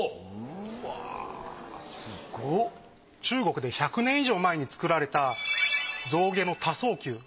中国で１００年以上前に作られた象牙の多層球。